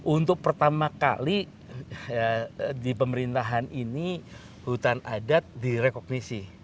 untuk pertama kali di pemerintahan ini hutan adat direkognisi